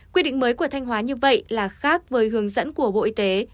quy định mới của thanh hóa như vậy là khác với hướng dẫn của bộ y tế